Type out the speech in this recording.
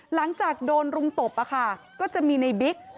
หลังจากโดนรุมตบก็จะมีในบิ๊ก